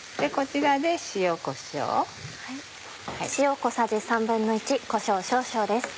こちらで塩こしょう。